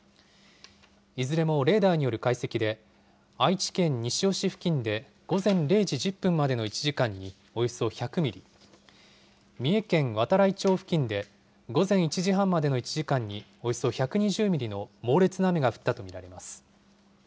いずれもレーダーによる解析で、愛知県西尾市付近で午前０時１０分までの１時間におよそ１００ミリ、三重県度会町付近で午前１時半までの１時間におよそ１２０ミリの猛烈な雨が降ったと見られます。